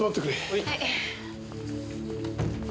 はい。